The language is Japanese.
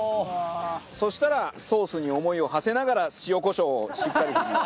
そしたらソースに思いをはせながら塩コショウをしっかり。